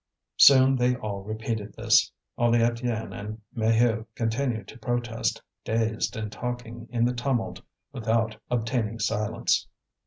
Soon they all repeated this; only Étienne and Maheu continued to protest, dazed, and talking in the tumult without obtaining silence.